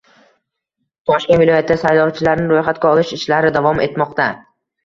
Toshkent viloyatida saylovchilarni ro‘yxatga olish ishlari davom etmoqda